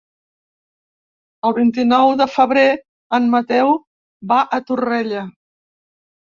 El vint-i-nou de febrer en Mateu va a Torrella.